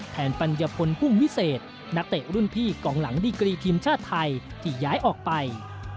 ปัญญพลพุ่งวิเศษนักเตะรุ่นพี่กองหลังดีกรีทีมชาติไทยที่ย้ายออกไป